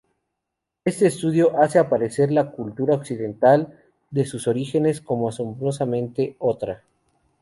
Este estudio hace aparecer a la cultura occidental desde sus orígenes como "asombrosamente otra".